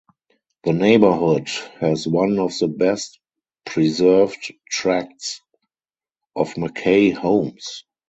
The neighborhood has one of the best preserved tracts of Mackay homes.